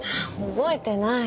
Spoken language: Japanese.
覚えてない。